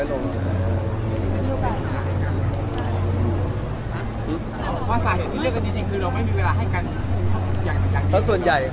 อ๋อน้องมีหลายคน